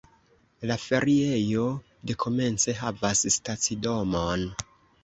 La feriejo dekomence havas stacidomon.